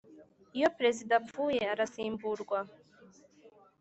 Iyo perezida apfuye arasimburwa